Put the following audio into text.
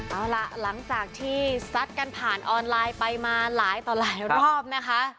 เอาล่ะหลังจากที่ซัดกันผ่านออนไลน์ไปมาหลายต่อหลายรอบนะคะ